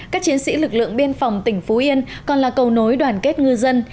các chiến sĩ lực lượng biên phòng tỉnh phú yên còn là cầu nối đoàn kết ngư dân